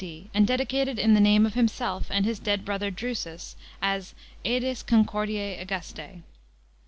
D. and dedicated in the name of himself and his dead brother Drusus, as asdes Concordias Augustas.